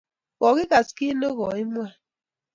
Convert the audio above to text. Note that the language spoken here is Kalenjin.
Kokigas kit ne koimwa